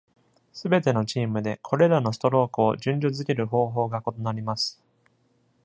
すべてのチームで、これらのストロークを順序付ける方法が異なります。